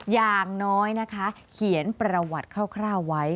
อย่างน้อยนะคะเขียนประวัติคร่าวไว้